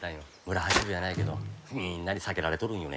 村八分やないけどみんなに避けられとるんよね。